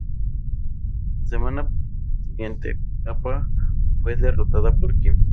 La semana siguiente, Tapa fue derrotada por Kim.